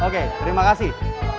oke terima kasih